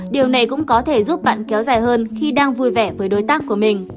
điều này cũng có thể giúp bạn kéo dài hơn khi đang vui vẻ với đối tác của mình